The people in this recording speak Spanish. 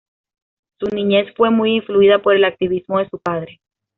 Su niñez fue muy influida por el activismo de su padre.